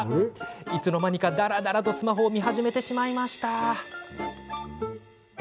いつの間にか、だらだらとスマホを見始めてしまいました。